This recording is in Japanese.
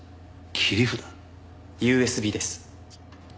ＵＳＢです。